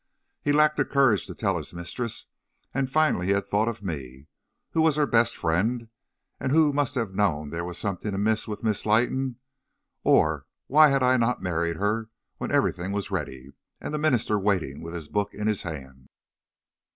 He lacked the courage to tell his mistress, and finally he had thought of me, who was her best friend, and who must have known there was something amiss with Miss Leighton, or why had I not married her when everything was ready and the minister waiting with his book in his hand?